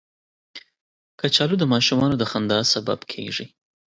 کچالو د ماشومانو د خندا سبب کېږي